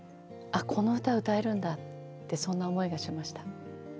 「あこの歌歌えるんだ」ってそんな思いがしました。